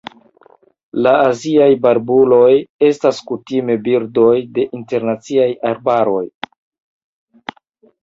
La aziaj barbuloj estas kutime birdoj de internaj arbaroj.